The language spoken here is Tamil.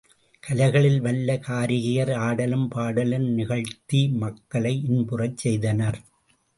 கலைகளில் வல்ல காரிகையர் ஆடலும் பாடலும் நிகழ்த்தி மக்களை இன்பமுறச் செய்தனர்.